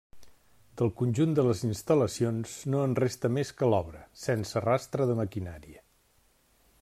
Del conjunt de les instal·lacions no en resta més que l'obra, sense rastre de maquinària.